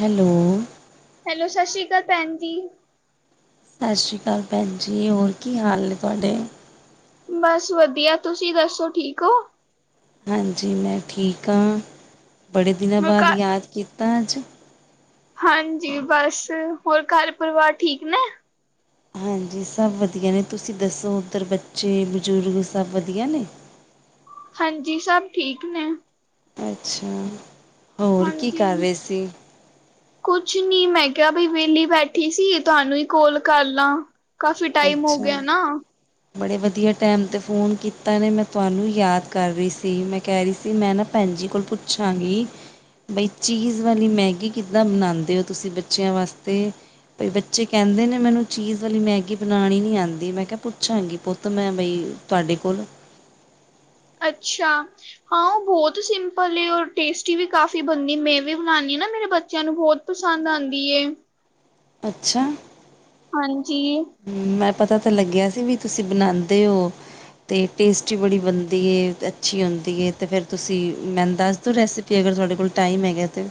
Hello hello, ਸਤਿ ਸ਼੍ਰੀ ਅਕਾਲ ਭੈਣ ਜੀ। ਸਤਿ ਸ਼੍ਰੀ ਅਕਾਲ ਭੈਣ ਜੀ, ਹੋਰ ਕੀ ਹਾਲ ਨੇ ਤੁਹਾਡੇ। ਬਸ ਵਧੀਆ ਤੁਸੀਂ ਦੱਸੋ ਠੀਕ ਓ? ਹਾਂਜੀ। ਮੈਂ ਠੀਕ ਹਾਂ, ਬੜੇ ਦਿਨਾਂ ਹੋਰ ਬਾਅਦ ਘਰ ਯਾਦ ਕੀਤਾ ਅੱਜ। ਹਾਂਜੀ। ਬਸ, ਹੋਰ ਘਰ ਪਰਿਵਾਰ ਠੀਕ ਨੇ? ਹਾਂਜੀ। ਸਭ ਵਧੀਆ ਨੇ। ਤੁਸੀਂ, ਦੱਸੋ ਉੱਧਰ ਬੱਚੇ, ਬਜ਼ੁਰਗ ਸਭ ਵਧੀਆ ਨੇ? ਹਾਂਜੀ। ਸਭ ਠੀਕ ਨੇ। ਅੱਛਾ। ਹੋਰ, ਕੀ ਹਾਂਜੀ ਕਰ ਰਹੇ ਸੀ? ਕੁਛ ਨੀ। ਮੈਂ ਕਿਹਾ, ਬਈ ਵਿਹਲੀ ਬੈਠੀ ਸੀ। ਤੁਹਾਨੂੰ ਹੀ, ਕੋਲ ਕਰ ਲਾਂ। ਕਾਫ਼ੀ ਟਾਈਮ, ਹੋ ਅੱਛਾ ਗਿਆ ਨਾ। ਬੜੇ ਵਧੀਆ, ਟੈਮ ਤੇ ਫੋਨ ਕੀਤਾ ਨੇ। ਮੈਂ ਤੁਹਾਨੂੰ, ਯਾਦ ਕਰ ਰਹੀ ਸੀ। ਮੈਂ ਕਹਿ, ਰਹੀ ਸੀ ਮੈਂ ਨਾ ਭੈਣ ਜੀ, ਕੋਲ ਪੁੱਛਾਂਗੀ। ਬਈ ਚੀਜ਼ ਵਾਲੀ, ਮੈਗੀ ਕਿੱਦਾਂ ਬਣਾਉਂਦੇ ਹੋ? ਤੁਸੀਂ ਬੱਚਿਆਂ ਵਾਸਤੇ। ਭ ਬੱਚੇ ਕਹਿੰਦੇ ਨੇ, ਮੈਨੂੰ ਚੀਜ਼ ਵਾਲੀ ਮੈਗੀ, ਬਣਾਉਣੀ ਨੀ ਆਉਂਦੀ। ਮੈਂ ਕਿਹਾ ਪੁੱ ਪੁੱਛਾਂਗੀ ਪੁੱਤ, ਮੈਂ ਬਈ, ਤੁਹਾਡੇ ਕੋਲੋਂ। ਅੱਛਾ ਹਾਂ, ਉਹ ਬਹੁਤ ਸਿੰਪਲ ਏ। ਟੇਸਟੀ ਵੀ ਕਾਫੀ ਬਣਦੀ। ਮੈਂ ਵੀ, ਬਣਾਉਂਦੀ ਹਾਂ ਨਾ। ਮੇਰੇ ਬੱਚਿਆਂ ਨੂੰ ਬਹੁਤ ਪਸੰਦ ਆਂਦੀ ਏ। ਅੱਛਾ। ਹਾਂਜੀ। ਮੈਂ ਪਤਾ ਤਾਂ ਲੱਗਿਆ ਸੀ ਵੀ ਤੁਸੀਂ ਬਣਾਦੇ ਓ। ਅਤੇ ਟੇਸਟ ਹੀ ਬੜੀ ਬਣਦੀ ਏ। ਅੱਛੀ ਹੁੰਦੀ ਹੈ। ਤਾਂ ਫੇਰ ਤੁਸੀਂ, ਮੈਨੂੰ ਦੱਸ ਦਿਓ, ਰੈਸਪੀ। ਅਗਰ ਤੁਹਾਡੇ ਕੋਲ, ਟਾਈਮ ਹੈਗਾ ਤੇ।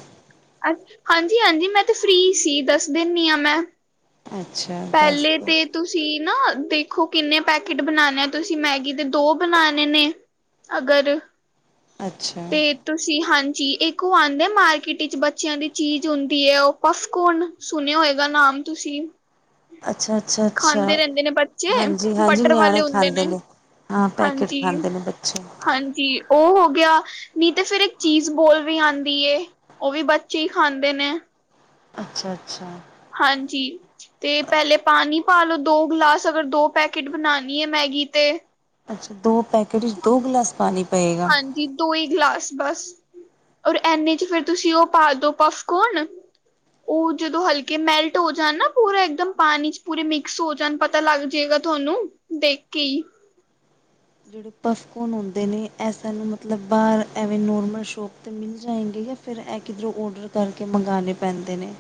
ਅ ਹਾਂਜੀ-ਹਾਂਜੀ, ਮੈਂ ਤੇ, ਫ੍ਰਰੀ ਸੀ, ਦੱਸ ਦਿੰਦੀ ਆਾਂ ਮੈਂ। ਅੱਛਾ ਦੱਸ ਪਹਿਲੇ ਦਿਉ ਤੇ ਤੁਸੀਂ ਨਾ ਦੇਖੋ, ਕਿੰਨੇ ਪੈਕੇਟ ਬਣਾਉਣੇ ਆ। ਤੁਸੀਂ ਮੈਗੀ ਦੇ। ਦੋ ਬਣਾਣੇ ਨੇ। ਅਗਰ। ਅੱਛਾ ਤੇ ਤੁਸੀਂ, ਹਾਂਜੀ। ਇਕ ਔ ਆਉਂਦਾ ਮਾਰਕੀਟ। ਟੀ ਚ ਬੱਚਿਆਂ ਦੀ ਚੀਜ਼ ਹੁੰਦੀ ਹੈ। ਉਹ ਪਫਕੌਣ, ਸੁਣਿਆ ਹੋਏਗਾ, ਨਾਮ ਤੁਸੀਂ। ਅੱਛਾ-ਅੱਛਾ, ਅੱਛਾ। ਖਾਂਦੇ ਰਹਿੰਦੇ ਨੇ ਬੱਚੇ ਹਾਂਜੀ-ਹਾਂਜੀ ਬਟਰ ਵਾਲੇ ਨਿਆਣੇ ਹੁੰਦੇ ਖਾਂਦੇ ਨੇ। ਹਾਂ। ਪੈਕੇਟ ਹਾਂਜੀ ਖਾਂਦੇ ਨੇ ਬੱਚੇ। ਹਾਂਜੀ। ਉਹ ਹੋ ਗਿਆ। ਨਹੀਂ ਤੇ ਫੇਰ, ਇੱਕ ਚੀਜ਼ ਬੋਲ ਵੀ ਆਉਂਦੀ ਏ। ਉਹ ਵੀ, ਬੱਚੇ ਹੀ ਖਾਂਦੇ ਨੇ। ਅੱਛਾ-ਅੱਛਾ। ਹਾਂਜੀ। ਤੇ ਪਹਿਲੇ, ਪਾਣੀ ਪਾ ਲੋ ਦੋ ਗਲਾਸ। ਅਗਰ ਦੋ ਪੈਕੇਟ, ਬਣਾਉਣੀ ਹੈ। ਮੈਗੀ ਤੇ। ਅੱਛਾ। ਦੋ ਪੈਕੇਟ ਵਿੱਚ, ਦੋ ਗਲਾਸ ਪਾਣੀ ਪਏਗਾ। ਹਾਂਜੀ ਦੋ ਹੀ ਗਲਾਸ ਬਸ। ਔਰ ਇਨੇ ਚ ਫੇਰ, ਤੁਸੀਂ ਉਹ ਪਾ ਦੋ ਪਫਕੋਣ। ਉਹ ਜਦੋਂ ਹਲਕੇ ਮੈਲਟ ਹੋ ਜਾਣ ਨਾ, ਪੂਰਾ ਇੱਕਦਮ ਪਾਣੀ'ਚ ਪੂਰੇ ਮਿਕਸ ਹੋ ਜਾਣ ਪਤਾ ਲੱਗ ਜੇਗਾ ਤੁਹਾਨੂੰ, ਦੇਖਕੇ ਹੀ ਜਿਹੜੇ ਪਫਕੋਨ ਹੋਂਦੇ ਨੇ, ਇਹ ਸਾਨੂੰ ਮਤਲਬ ਬਾਹਰ ਐਵੇਂ ਨੋਰਮਲ ਸ਼ੋਪ 'ਤੇ ਮਿਲ ਜਾਏਂਗੇ? ਫਿਰ ਐ ਕਿੱਧਰੋਂ, ਔਡਰ ਕਰਕੇ ਮੰਗਾਣੇ ਪੈਂਦੇ ਨੇ?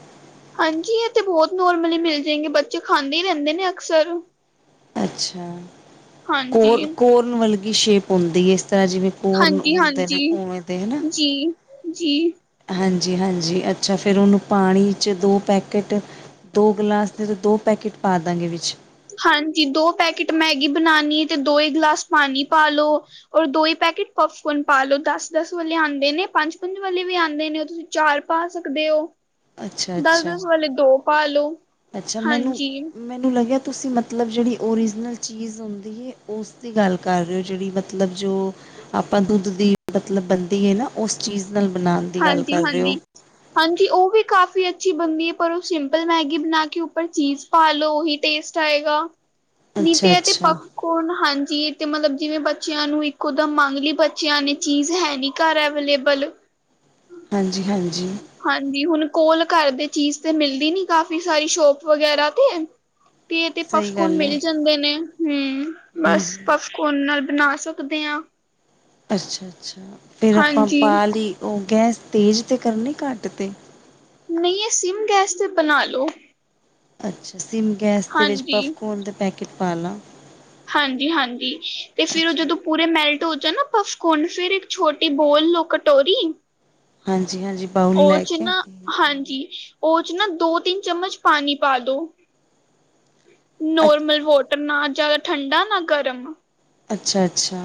ਹਾਂਜੀ। ਇਹ ਤੇ, ਬਹੁਤ ਨੋਰਮਲੀ, ਮਿਲ ਜਾਣਗੇ ਬੱਚੇ ਖਾਂਦੇ, ਰਹਿੰਦੇ ਨੇ ਅਕਸਰ। ਅੱਛਾ। ਹਾਂਜੀ ਕੋਰ ਕੋਰਨ, ਵਰਗੀ ਸ਼ੇਪ ਹੁੰਦੀ ਹੈ। ਇਸ ਤਰਾਂ ਜਿਵੇਂ। ਕੋਰਟ ਹਾਂਜੀ ਹੁੰਦੇ ਨੇ, ਹਾਂਜੀ ਉਵੇਂ ਦੇ ਹਨਾ। ਜੀ ਜੀ ਹਾਂਜੀ-ਹਾਂਜੀ ਅੱਛਾ, ਫਿਰ ਉਹਨੂੰ ਪਾਣੀ ਚ, ਦੋ ਪੈਕੇਟ। ਦੋ ਗਲਾਸ ਦੇ, ਤੇ ਦੋ ਪੈਕੇਟ, ਪਾ ਦਾਂਗੇ ਵਿੱਚ। ਹਾਂਜੀ। ਦੋ ਪੈਕੇਟ ਮੈਗੀ, ਬਣਾਉਣੀ ਏ। ਤੇ ਦੋ ਹੀ, ਗਲਾਸ ਪਾਣੀ ਪਾ ਲੋ। ਔਰ, ਦੋ ਹੀ ਪੈਕੇਟ ਪਪਕੋਨ ਪਾ ਲਓ। ਦਸ-ਦਸ, ਵਾਲੇ ਆਉਂਦੇ ਨੇ। ਪੰਜ-ਪੰਜ, ਵਾਲੇ ਵੀ ਆਉਂਦੇ ਨੇ। ਤੁਸੀਂ ਚਾਰ ਪਾ, ਸਕਦੇ ਹੋ। ਅੱਛਾ ਅੱਛਾ ਦਸ-ਦਸ, ਵਾਲੇ ਦੋ ਪਾ ਲੋ। ਅੱਛਾ ਮੈਨੂੰ ਹਾਂਜੀ। ਮੈਨੂੰ ਲੱਗਿਆ ਤੁਸੀਂ ਮਤਲਬ, ਜਿਹੜੀ ਓਰੀਜਨਲ ਚੀਜ਼ ਹੁੰਦੀ ਏ, ਉਸ ਦੀ ਗੱਲ ਕਰ ਰਹੇ ਹੋ, ਜਿਹੜੀ ਮਤਲਬ ਜੋ ਆਪਾਂ ਦੁੱਧ ਦੀ ਮਤਲਬ ਬਣਦੀ ਹੈ ਨਾ, ਉਸ ਚੀਜ਼ ਨਾਲ ਬਣਾਉਣ਼ ਹਾਂਜੀ- ਹਾਂਜੀ। ਹਾਂਜੀ, ਉਹ ਵੀ ਕਾਫ਼ੀ ਅੱਛੀ ਬਣਦੀ ਏ, ਪਰ ਉਹ ਸਿੰਪਲ ਮੈਗੀ ਬਣਾਕੇ ਉੱਪਰ ਚੀਜ਼ ਪਾਲੋ ਉਹੀ ਟੇਸਟ ਆਏਗਾ, ਨੀ, ਤੇ, ਅੱਛਾ ਏ, ਪ ਅੱਛਾ ਕੋਨ ਹਾਂਜੀ ਇਹ ਤੇ ਮਤਲਬ, ਜਿਵੇਂ ਬੱਚਿਆਂ ਨੂੰ ਇੱਕੋ ਦਮ ਮੰਗ ਲਈ, ਬੱਚਿਆਂ ਨੇ ਚੀਜ਼ ਹੈ ਨੀ। ਘਰ ਐਵੇਲੇਬਲ ਹਾਂਜੀ-ਹਾਂਜੀ। ਹਾਂਜੀ, ਹੁਣ ਕੋਲ ਘਰ ਦੇ ਚੀਜ਼ ਤੇ ਮਿਲਦੀ ਨੀ, ਕਾਫੀ ਸਾਰੀ ਸ਼ੋਪ ਵਗੈਰਾ ਤੇ। ਤੇ ਇਹ ਤੇ ਸਹੀ ਪਫਕੋਨ ਗੱਲ ਹੈ ਮਿਲ ਜਾਂਦੇ ਨੇ, ਹੂੰ, ਹਮ ਬਸ। ਪਫਕੋਨ ਨਾਲ ਬਣਾ ਸਕਦੇ ਹਾਂ। ਅੱਛ-ਅੱਛਾ, ਫਿਰ ਆਪਾਂ ਹਾਂਜੀ ਪਾ ਲਈ, ਉਹ ਗੈਸ ਤੇਜ਼ 'ਤੇ ਕਰਨੀ ਘੱਟ 'ਤੇ? ਨਹੀਂ ਇਹ, ਸਿਮ ਗੈਸ ਤੇ ਬਣਾ ਲਉ। ਅੱਛਾ, ਸਿੰਮ ਗੈਸ ਦੇ ਵਿੱਚ ਹਾਂਜੀ। ਪਫਕੋਨ ਦੇ ਪੈਕੇਟ ਪਾਲਾਂ ਹਾਂਜੀ-ਹਾਂਜੀ ਤੇ ਫਿਰ ਉਹ ਅੱਛਾ ਜਦੋਂ, ਪੂਰੇ ਮੈਲਟ ਹੋ ਜਾਣ ਨਾ, ਪਫਕੋਨ ਫਿਰ ਛੋਟੀ ਬੋਲ ਨੂੰ ਕਟੋਰੀ ਹਾਂਜੀ-ਹਾਂਜੀ। ਉਹ 'ਚ ਨਾ ਹਾਂਜੀ, ਉਹ'ਚ ਨਾ ਦੋ- ਤਿੰਨ ਚੱਮਚ ਪਾਣੀ ਪਾਦੋ। ਅੱ ਨੋਰਮਲ ਵੋਟਰ ਨਾ ਜਿਆਦਾ ਠੰਡਾ, ਨਾ ਗਰਮ ਅੱਛਾ-ਅੱਛਾ।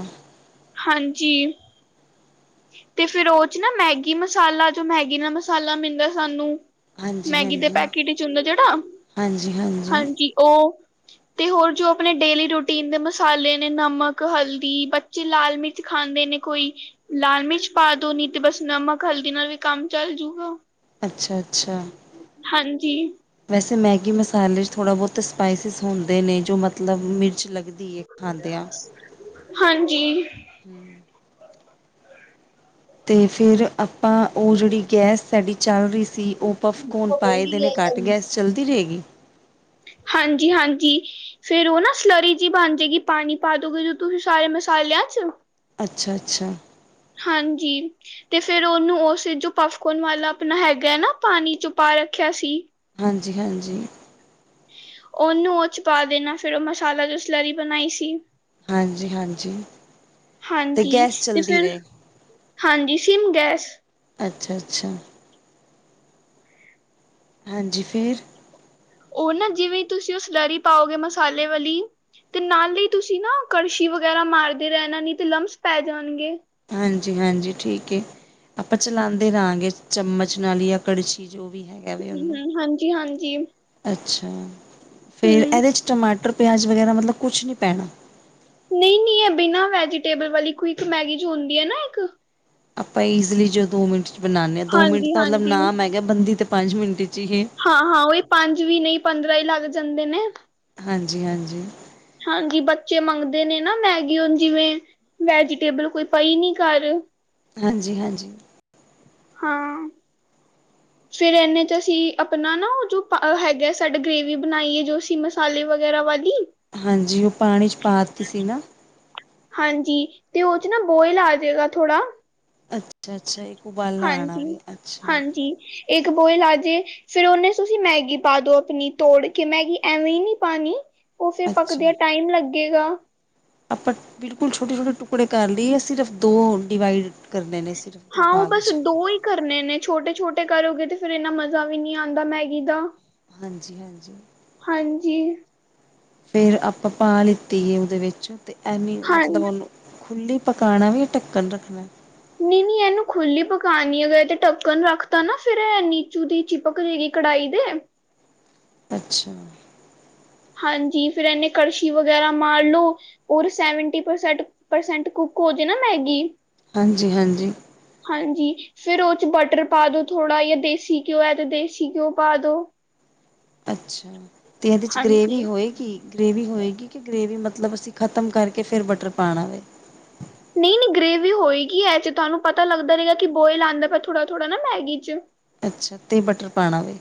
ਹਾਂਜੀ। ਤੇ ਫਿਰ ਉਹ'ਚ ਨਾ, ਮੈਗੀ ਮਸਾਲਾ, ਜੋ ਮੈਗੀ ਨਾਲ ਮਸਾਲਾ ਮਿਲਦਾ ਸਾਨੂੰ। ਮੈਗੀ ਦੇ ਹਾਂਜੀ-ਹਾਂਜੀ, ਪੈਕੇਟ ਵਿੱਚ ਹੁੰਦਾ ਜਿਹੜਾ, ਹਾਂਜੀ-ਹਾਂਜੀ, ਹਾਂਜੀ, ਉਹ ਤੇ ਹੋਰ ਜੋ, ਆਪਣੇ ਡੇਲੀ ਰੂਟੀਨ ਦੇ ਮਸਾਲੇ ਨੇ, ਨਮਕ, ਹਲਦੀ ਬੱਚੇ ਲਾਲ-ਮਿਰਚ ਖਾਂਦੇ ਨੇ ਕੋਈ। ਲਾਲ ਮਿਰਚ ਪਾਦੋ, ਨੀ ਤੇ ਬਸ ਨਮਕ, ਹਲਦੀ ਨਾਲ ਵੀ ਕੰਮ ਚੱਲ ਜੂਗਾ। ਅੱਛਾ- ਅੱਛਾ। ਹਾਂਜੀ। ਵੈਸੇ ਮੈਗੀ ਮਸਾਲੇ 'ਚ ਥੋੜ੍ਹਾ ਬਹੁਤ ਸਪਾਈਸਿਸ ਹੁੰਦੇ ਨੇ, ਜੋ ਮਤਲਬ ਮਿਰਚ ਲੱਗਦੀ ਏ। ਹਾਂਦੇ ਆ, ਹਾਂਜੀ। ਹ ਅਤੇ ਫਿਰ ਆਪਾ, ਉਹ ਜਿਹੜੀ ਗੈਸ ਸਾਡੀ ਚੱਲ ਰਹੀ ਸੀ, ਉਹ ਪਫਕੋਨ ਪਾਏ ਦੇ ਨੇ ਘੱਟ ਗੈਸ, ਚੱਲਦੀ ਰਹੇਗੀ? ਹਾਂਜੀ-ਹਾਂਜੀ। ਫੇਰ ਉਹ ਨਾ, ਸਲਰੀ ਜਿਹੀ ਬਣ ਜਾਏਗੀ, ਪਾਣੀ ਪਾ ਦੋਗੇ ਤੁਸੀ ਸਾਰੇ ਮਸਾਲਿਆਂ'ਚ ਅੱਛਾ- ਅੱਛਾ। ਹਾਂਜੀ। ਤੇ ਫੇਿਰ ਉਹਨੂੰ ਉਸ ਜੋ ਪਫਕੋਨ ਵਾਲਾ ਆਪਣਾ ਹੈਗਾ ਨਾ, ਪਾਣੀ ਚੋਂ ਪਾ ਰੱਖਿਆ ਸੀ। ਹਾਂਜੀ, ਹਾਂਜੀ। ਉਹਨੂੰ ਉਹ ਚ ਪਾ ਦੇਣਾ, ਫੇਿਰ ਉਹ ਮਸਾਲਾ ਜੋ ਸ ਲਰੀ ਬਣਾਈ ਸੀ। ਹਾਂਜੀ-ਹਾਂਜੀ। ਤੇ ਹਾਂਜੀ ਗੈਸ ਤੇ ਚੱਲਦੀ ਫਿਰ, ਰਹੇ, ਹਾਂਜੀ ਸਿੰਮ ਗੈਸ ਅੱਛਾ-ਅੱਛਾ। ਹਾਂਜੀ, ਫਿਰ ਉਹ ਨਾ ਜਿਵੇਂ ਤੁਸੀਂ, ਉਹ ਸਲਰੀ ਪਾਓਗੇ ਮਸਾਲੇ ਵਾਲੀ ਤੇ ਨਾਲ ਦੀ ਤੁਸੀਂ ਨਾ ਕੜਸ਼ੀ ਵਗੈਰਾ ਮਾਰਦੇ ਰਹਿਣਾ, ਨੀ ਤੇ ਲੰਮਸ ਪੈ ਜਾਣਗੇ। ਹਾਂਜੀ-ਹਾਂਜੀ, ਠੀਕ ਏ। ਆਪਾਂ ਚਲਾਂਦੇ ਰਹਾਂਗੇ ਚੱਮਚ ਨਾਲ, ਜਾਂ ਕੜਛੀ ਜੋ ਵੀ ਹੈ। ਐਵੀ ਉਹਨੂੰ, ਹੂੰ ਹਾਂਜੀ ਹਾਂਜੀ ਹੂੰ ਅੱਛਾ ਫੇਰ ਇਹਦੇ'ਚ ਟਮਾਟਰ, ਪਿਆਜ਼, ਵਗੈਰਾ ਮਤਲਬ ਕੁਛ ਨਹੀਂ ਪੈਣਾ। ਨਹੀਂ ਨਹੀਂ ਇਹ ਬਿਨਾਂ ਵੈਜੀਟੇਬਲ ਵਾਲੀ ਕੋਈ ਇੱਕ ਮੈਗੀ ਜੋ ਹੁੰਦੀ ਹੈ ਨਾ ਇੱਕ ਆਪਾਂ ਈਜ਼ਲੀ ਜੋ ਦੋ ਮਿੰਟ 'ਚ ਬਣਾਉਂਦੇ ਹਾਂ ਦੋ ਮਿੰਟ ਹਾਂਜੀ ਤਾਂ ਮਤਲਬ ਹਾਂਜੀ ਨਾਮ ਹੈਗਾ ਬੰਦੀ ਤਾਂ ਪੰਜ ਮਿੰਟ 'ਚ ਹੀ ਹਾਂ ਹਾਂ ਉਹੀ ਪੰਜ ਵੀ ਨਹੀਂ ਪੰਦਰਾਂ ਹੀ ਲੱਗ ਜਾਂਦੇ ਨੇ ਹਾਂਜੀ ਹਾਂਜੀ ਹਾਂਜੀ ਬੱਚੇ ਮੰਗਦੇ ਨੇ ਨਾ ਮੈਗੀ ਹੂਨ ਜਿਵੇਂ ਵੈਜੀਟੇਬਲ ਕੋਈ ਪਈ ਨੀ ਘਰ ਹਾਂਜੀ ਹਾਂਜੀ ਹਾਂ ਫਿਰ ਇਹਨੇ ਚ ਅਸੀਂ ਆਪਣਾ ਨਾ ਉਹ ਜੋ ਹੈਗਾ ਸਾਡੇ ਗ੍ਰੇਵੀ ਬਣਾਈਏ ਜੋ ਅਸੀਂ ਮਸਾਲੇ ਵਗੈਰਾ ਵਾਲੀ ਹਾਂਜੀ ਉਹ ਪਾਣੀ 'ਚ ਪਾ ਦਿੱਤੀ ਸੀ ਨਾ ਹਾਂਜੀ ਤੇ ਉਹ ਚ ਨਾ ਬੋਇਲ ਆ ਜਾਏਗਾ ਥੋੜ੍ਹਾ ਅੱਛਾ ਅੱਛਾ ਇਹ ਉਬਾਲਾ ਆਣਾ ਵ ਅੱਛਾ ਜੀ ਇੱਕ ਬੋਇਲ ਆ ਜੇ ਫਿਰ ਉਹਨੇ ਤੁਸੀਂ ਮੈਗੀ ਪਾ ਦੋ ਆਪਣੀ ਤੋੜ ਕੇ ਮੈਗੀ ਐਵੇਂ ਹੀ ਨਹੀਂ ਪਾਉਣੀ ਉਹ ਫਿਰ ਅੱਛਾ ਪੱਕਦਿਆਂ ਟਾਈਮ ਲੱਗੇਗਾ। ਆਪਾਂ ਬਿਲਕੁਲ ਛੋਟੇ ਛੋਟੇ ਟੁਕੜੇ ਕਰ ਲਈਏ, ਸਿਰਫ ਦੋ ਡਿਵਾਈਡ ਕਰਨੇ ਨੇ ਸਿਰਫ ਦੋ ਹਾਂ ਉਹ ਭਾਗ ਬਸ 'ਚ ਦੋ ਹੀ ਕਰਨੇ ਨੇ ਛੋਟੇ ਛੋਟੇ ਕਰੋਗੇ ਤੇ, ਫੇਿਰ ਇੰਨਾ ਮਜ਼ਾ ਵੀ ਨਹੀਂੀ ਆਉਂਦਾ ਮੈਗੀ ਦਾ। ਹਾਂਜੀ ਹਾਂਜੀ। ਹਾਂਜੀ। ਫੇਿਰ ਆਪਾਂ ਪਾਣੀ ਤੇਲ ਦੇ ਵਿਚ ਤੇ, ਐਨੀ ਹਾਂ ਮਤਲਬ ਉਹਨੂੰ। ਖੁੱਲੀ ਪਕਾਉਣਾ ਵੀ ਢੱਕਣ ਰੱਖਣਾ ਨਹੀਂ ਨਹੀਂ ਇਹਨੂੰ ਖੁੱਲੀ ਪਕਾਨੀ ਅਗਰ ਇਹ ਤੇ ਢੱਕਣ ਰੱਖਤਾ ਨਾ ਫੇਿਰ ਨੀਚੂ ਦੀ ਚੀਪਕ ਜਗੀ ਕੜਇ ਦੇ ਅੱਛਾ ਹਾਂਜੀ ਫੇਿਰ ਇਹਨੇ ਕੜਛੀ ਵਗੈਰਾ ਮਾਰ ਲੋ ਹੋਰ ਸੈਵਨਟੀਸ ਪਰਸੈਂਟ ਕੁੱਕ ਹੋ ਜਾੇ ਨਾ ਮੈਗੀ ਹਾਂਜੀ ਹਾਂਜੀ ਹਾਂਜੀ ਫਿਰ ਉਹ ਚ ਬਟਰ ਪਾ ਦੋ ਥੋੜ੍ਹਾ ਜ ਦੇਸੀ ਘਿਓ ਹੈ ਤੇ ਦੇਸੀ ਘਿਓ ਪਾ ਦੋ ਅੱਛਾ ਅਤੇ ਓਹਦੇ 'ਚ ਹਾਂਜੀ ਗ੍ਰਵੀ ਹੋਏਗੀ ਗ੍ਰੇਵੀ ਹੋਏਗੀ ਕਿ ਗ੍ਰੇਵੀ ਮਤਲਬ ਅਸੀਂ ਖ਼ਤਮ ਕਰਕੇ ਫਿਰ ਬਟਰ ਪਾਉਣਾਵੇ ਨਹੀਂ ਨਹੀਂ ਗ੍ਰੇਵੀ ਹੋਏਗੀ ਇਹ ਚ ਤੁਹਾਨੂੰ ਪਤਾ ਲੱਗਦਾ ਰਹੇਗਾ ਕਿ ਬੋਇਲ ਆਉਂਦਾ ਪ ਥੋੜ੍ਹਾ ਥੋੜ੍ਹਾ ਨਾ ਮੈਗੀ ਚ ਅੱਛਾ ਅਤੇਹ ਬਟਰ ਪਾਉਣਾ ਵੀ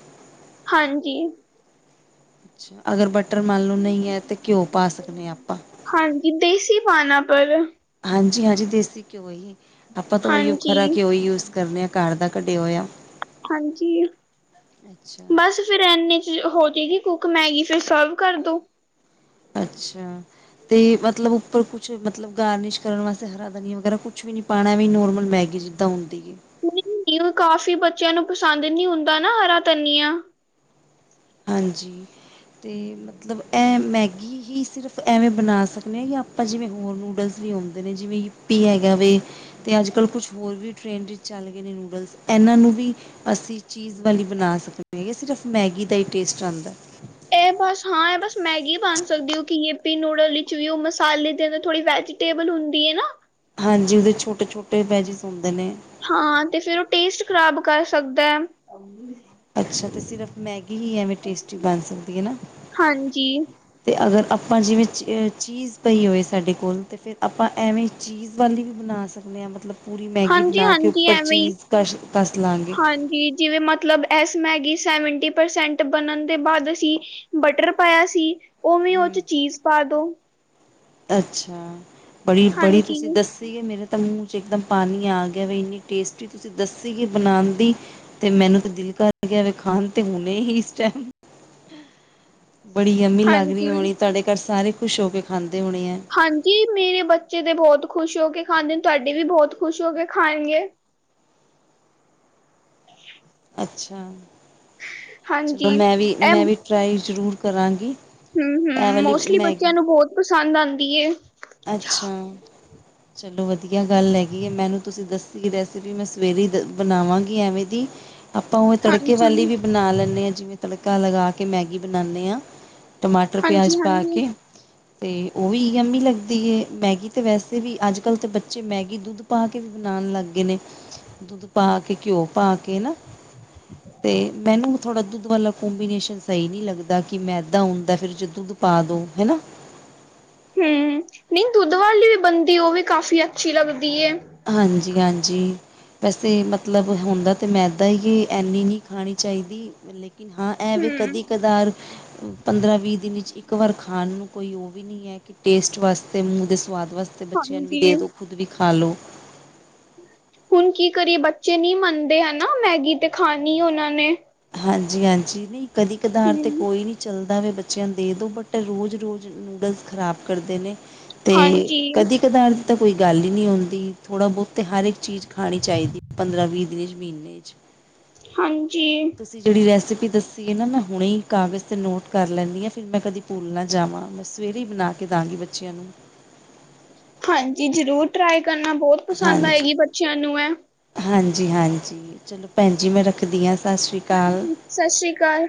ਹਾਂਜੀ ੱ ਅਗਰ ਬਟਰ ਮਾਨ ਲੋ ਨਹੀਂ ਹੈ ਤੇ ਘਿਓ ਪਾ ਸਕਦੇ ਹ ਆਪਾਂ ਹਾਂਜੀ ਦੇਸੀ ਪਾਨਾ ਪਰ ਹਾਂਜੀ-ਹਾਂਜੀ ਦੇਸੀ, ਘਿਓ ਹੀ ਆਪਾਂ ਤਾਂ ਉਹੀ ਹਾਂਜੀ ਖਰਾ ਘਿਓ ਹੀ ਯੂਜ ਕਰਦੇ ਹਾਂ। ਘਰ ਦਾ ਕੱਢਿਆ ਹੋਇਆ। ਹਾਂਜੀ, ਬਸ। ਫੇਿਰ ਇੰਨੇ ਚ ਹੋ ਜਾਏਗੀ ਕੁੱਕ ਮੈਗੀ ਫਿਰ ਸਰਵ ਕਰ ਦੋ ਅੱਛਾ ਤੇ ਮਤਲਬ ਉੱਪਰ ਕੁਛ ਮਤਲਬ ਗਾਰਨਿਸ਼ ਕਰਨ ਵਾਸਤੇ ਹਰਾ ਧਨੀਆ ਵਗੈਰਾ ਕੁੱਛ ਵੀ ਨੀ ਪਾਉਣਾ ਵੀ ਨੋਰਮਲ ਮੈਗੀ ਜਿੱਦਾਂ ਹੁੰਦੀ ਹੈ ਕਾਫੀ ਬੱਚਿਆਂ ਨੂੰ ਪਸੰਦ ਨੀ ਹੁੰਦਾ ਨਾ ਹਰਾ ਧਨੀਆ ਹਾਂਜੀ ਅਤੇ ਮਤਲਬ ਐ ਮੈਗੀ ਹੀ ਸਿਰਫ ਐਵੇਂ ਬਣਾ ਸਕਦੇ ਹਾਂ ਜਾਂ ਆਪਾਂ ਜਿਵੇਂ ਹੋਰ ਨੂਡਲਸ ਵੀ ਆਉਂਦੇ ਨੇ ਜਿਵੇਂ ਵੀ ਹੈਗਾ ਵੀ ਤੇ ਅੱਜ ਕੱਲ੍ਹ ਕੁਛ ਹੋਰ ਵੀ ਟ੍ਰੇਡ ਵਿੱਚ ਚੱਲ ਗਏ ਨੇ ਨੂਡਲਸ ਇਹਨਾਂ ਨੂੰ ਵੀ ਅਸੀਂ ਚੀਜ਼ ਵਾਲੀ ਬਣਾ ਸਕਦੇ ਹੈਗੇ, ਸਿਰਫ ਮੈਗੀ ਦਾ ਹੀ ਟੇਸਟ ਆਉਂਦਾ। ਇਹ ਬਸ ਹਾਂ ਇਹ ਬਸ ਮੈਗੀ ਬਣ ਸਕਦੀ, ਕਿਉੰਕਿ ਯੀਪੀ ਨੂਡਲ ਵਿੱਚ ਵੀ ਉਹ ਮਸਾਲੇ ਦੇ ਥੋੜੀ ਵੈਜੀ ਟੇਬਲ ਹੁੰਦੀ ਹੈ ਨਾ, ਹਾਂਜੀ ਉਹਦੇ ਛੋਟੇ-ਛੋਟੇ ਪੈਜਿਸ ਹੁੰਦੇ ਨੇ। ਹਾਂ, ਤੇ ਫਿਰ ਉਹ ਟੇਸਟ ਖਰਾਬ ਕਰ ਸਕਦਾ ਹੈ। ਅੱਛਾ ਅਤੇ ਸਿਰਫ਼ ਮੈਗੀ ਹੀ ਐਵੇਂ, ਟੇਸਟੀ ਬਣ ਸਕਦੀ ਐ ਨਾ? ਹਾਂਜੀ ਅਤੇ ਅਗਰ ਆਪਾਂ ਜਿਵੇਂ ਚ ਚੀਜ਼ ਪਈ ਹੋਵੇ, ਸਾਡੇ ਕੋਲ ਤਾਂ ਫਿਰ ਆਪਾਂ ਐਵੇਂ ਚੀਜ਼ ਚੀਜ਼ ਵਾਲੀ ਵੀ ਬਣਾ ਸਕਦੇ, ਹਾਂ ਮਤਲਬ ਪੂਰੀ ਮੈਗੀ ਹਾਂਜੀ ਬਣਾ ਕੇ ਹਾਂਜੀ ਉੱਪਰ ਚੀਜ਼ ਕਸ਼ ਕੱਸ ਲਾਗੈ। ਕਿ ਜਿਵੇਂ ਮਤਲਬ ਇਸ ਮੈਗੀ ਸੈਵਨਟੀ ਪਰਸੈਂਟ ਬਣਨ ਦੇ ਬਾਅਦ ਅਸੀਂ ਬਟਰ ਪਾਇਆ ਸੀ, ਉਵੇਂ ਉਹ ਚ ਹੂੰ। ਚੀਜ਼ ਪਾ ਦੋ। ਅੱਛਾ ਬੜੀ, ਬੜੀ ਹਾਂਜੀ ਤੁਸੀ ਸੀਗੇ ਮੇਰੇ ਤਾਂ ਮੂੰਹ ਚ ਇੱਕਦਮ ਪਾਣੀ ਆ ਗਿਆ, ਵੈ ਇੰਨੀ ਟੇਸਟ ਚ ਤੁਸੀਂ ਦੱਸੀ, ਕਿ ਬਣਾਉਣ ਦੀ ਤੇ ਮੈਨੂੰ ਤੇ ਦਿਲ ਕਰਗਿਆ ਵੈ, ਖਾਣ ਤੇ ਹੁਣੇ ਹੀ ਇਸ ਟਾਈਮ ਬੜੀ ਯਮੀ ਲੱਗ ਰਹੀ ਹਾਂਜੀ ਹੋਣੀ, ਤੁਹਾਡੇ ਘਰ ਸਾਰੇ ਖੁਸ਼ ਹੋ ਕੇ ਖਾਂਦੇ ਹੋਣੇ ਹੈ। ਹਾਂਜੀ ਮੇਰੇ ਬੱਚੇ ਦੇ ਬਹੁਤ ਖੁਸ਼ ਹੋ ਕੇ ਖਾਂਦੇ ਨੇ, ਤੁਹਾਡੇ ਵੀ ਬਹੁਤ ਖੁਸ਼ ਹੋ ਕੇ ਖਾਣਗੇ। ਅੱਛਾ, ਚਲੋ ਹਾਂਜੀ ਮੈਂ ਵੀ ਇਹ ਮੈਂ ਵੀ ਟਰਾਈ ਜ਼ਰੂਰ ਕਰਾਂਗੀ। ਐ ਹੂੰ-ਹੂੰ, ਵਾਲੀ ਮੋਸਟਲੀ ਮੈਗੀ ਬੱਚਿਆਂ ਨੂੰ ਬਹੁਤ ਪਸੰਦ ਆਉਂਦੀ ਐ। ਅੱਛਾ ਚਲੋ, ਚਲੋ ਵਧੀਆ ਗੱਲ ਹੈਗੀ ਹੈ, ਮੈਨੂੰ ਤੁਸੀਂ ਦੱਸੀ ਰੈਸਿਪੀ ਮੈਂ ਸਵੇਰੇ ਐਦਾ ਬਣਾਵਾਂਗੀ ਐਵੇਂ ਦੀ, ਆਪਾਂ ਉਵੇ ਤੜਕੇ ਵਾਲੀ ਹਾਂਜੀ, ਵੀ ਬਣਾ ਲੈਂਦੇ, ਹਾਂ ਜਿਵੇਂ ਤੜਕਾ ਲਗਾ ਕੇ ਮੈਗੀ ਬਣਾਨੇ ਹਾਂ। ਟਮਾਟਰ ਪਿਆਜ ਪਾ ਹਾਂਜੀ-ਹਾਂਜੀ ਕੇ, ਤੇ ਉਹ ਵੀ ਜਾਮੀ ਦੀ ਮੈਗੀ ਤੇ ਵੈਸੇ, ਵੀ ਅੱਜ-ਕੱਲ੍ਹ ਤਾਂ ਬੱਚੇ ਮੈਗੀ ਦੁੱਧ ਪਾ ਕੇ ਵੀ ਬਣਾਉਣ ਲੱਗ ਗਏ ਨੇ, ਦੁੱਧ ਪਾ ਕੇ, ਘਿਓ ਪਾ ਕੇ ਨਾ, ਤੇ ਮੈਨੂੰ ਥੋੜਾ ਦੁੱਧ ਵਾਲ਼ਾ ਕੋਂਬੀਨੇਸ਼ਨ ਸਹੀ ਨੀ ਲੱਗਦਾ, ਕਿ ਮੈਦਾ ਹੁੰਦਾ ਫਿਰ ਜੇ ਦੁੱਧ ਪਾ ਦੋ ਹਨਾ। ਹੂੰ, ਨਹੀਂ ਦੁੱਧ ਵਾਲੀ ਵੀ ਬਣਦੀ, ਉਹ ਵੀ ਕਾਫੀ ਅੱਛੀ ਲੱਗਦੀ ਏ, ਹਾਂਜੀ, ਹਾਂਜੀ, ਵੈਸੇ ਮਤਲਬ ਹੁੰਦਾ ਤੇ ਮੈਦਾ ਹੀ, ਕਿ ਇਨੀ ਨਹੀਂ ਖਾਣੀ ਚਾਹੀਦੀ ਲੇਕਿਨ ਹਾਂ। ਐਵੇ ਹੂੰ ਕਦੀ ਕਦਾਰ, ਪੰਦਰਾਂ ਵੀਹ ਦਿਨ 'ਚ ਇੱਕ ਵਾਰ ਖਾਣ ਨੂੰ ਕੋਈ, ਉਹ ਵੀ ਨਹੀਂ ਹੈ, ਕਿ ਟੇਸਟ ਵਾਸਤੇ ਮੂੰਹ ਦੇ ਸਵਾਦ ਵਾਸਤੇ। ਅਤੇ ਬੱਚਿਆਂ ਨੂੰ ਵੀ ਹਾਂਜੀ। ਦੇ ਦਿਉ, ਖੁਦ ਵੀ ਖਾ ਲਉ। ਹੁਣ ਕੀ ਕਰੀਏ ਬੱਚੇ ਨਹੀਂ ਮੰਨਦੇ ਹੈ, ਨਾ ਮੈਗੀ ਤੇ ਖਾਣੀ ਉਹਨਾਂ ਨੇ ਹਾਂਜੀ, ਹਾਂਜੀ ਨਹੀਂ ਕਦੀ ਕਦਾਰ ਤੇ ਹੂੰ। ਕੋਈ ਨੀ ਚੱਲਦਾ ਵੇਂ ਬੱਚਿਆਂ ਦੇ ਦੋ ਬਟ ਰੋਜ਼-ਰੋਜ਼ ਨੂਡਲਸ ਖ਼ਰਾਬ ਕਰਦੇ ਨੇ ਤੇ ਹਾਂਜੀ, ਕਦੀ। ਠਕੇਦਾਰ ਦੀ ਤਾਂ ਕੋਈ ਗੱਲ ਹੀ ਨੀ ਹੁੰਦੀ, ਥੋੜਾ ਬਹੁਤ ਹਰ ਇੱਕ ਚੀਜ਼ ਖਾਣੀ ਚਾਹੀਦੀ, ਪੰਦਰਾਂ ਵੀਹ ਦਿਨ ਵਿੱਚ ਮਹੀਨਾ। [inaudible] ਹਾਂਜੀ, ਤੁਸੀਂ ਜੇੜੀ ਰੈਸਪੀ ਦੱਸੀ ਏ ਨਾ, ਮੈਂ ਹੁਣੇ ਈ ਕਾਗਜ਼ ਤੇ ਨੋਟ ਕਰ ਲੈਂਨੀ ਆਂ ਫੇਰ ਮੈਂ ਕਦੀ ਭੁੱਲ ਨਾ ਜਾਵਾਂ। ਸਵੇਰੇ ਹੀ ਬਣਾ ਕੇ ਦਾਂਗੀ ਬੱਚਿਆਂ ਨੂੰ। ਹਾਂਜੀ ਜ਼ਰੂਰ ਟਰਾਈ ਕਰਨਾ ਬਹੁਤ ਪਸੰਦ ਆਏਗੀ ਬੱਚਿਆਂ ਨੂੰ ਇਹ। ਹਾਂਜੀ-ਹਾਂਜੀ ਚਲੋ ਭੈਣ ਜੀ ਮੈਂ ਰੱਖਦੀ ਹਾਂ ਸਤਿ ਸ਼੍ਰੀ ਅਕਾਲ। ਸਤਿ ਸ੍ਰੀ ਅਕਾਲ।